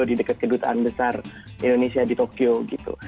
di dekat kedutaan besar indonesia di tokyo gitu